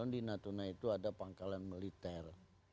di natuna itu ada pangkalan militer